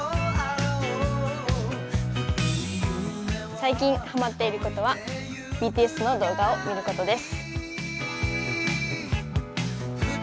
最近はまっていることは、ＢＴＳの動画を見ることです。